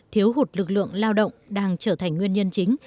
thiếu hụt lực lượng lao động đang trở thành nguyên nhân chính